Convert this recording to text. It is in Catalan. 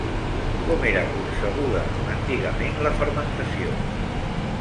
Com era concebuda antigament la fermentació?